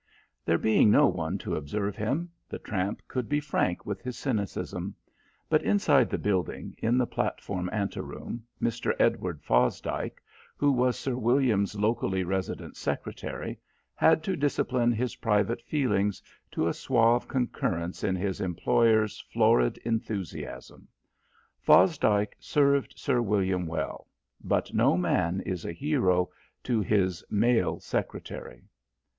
There being no one to observe him, the tramp could be frank with his cynicism; but inside the building, in the platform ante room, Mr. Edward Fosdike, who was Sir William's locally resident secretary, had to discipline his private feelings to a suave concurrence in his employer's florid enthusiasm. Fosdike served Sir William well, but no man is a hero to his (male) secretary.